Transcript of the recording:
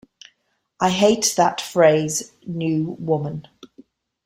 I hate that phrase New Woman.